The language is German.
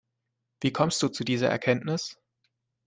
Wie kommst du zu dieser Erkenntnis?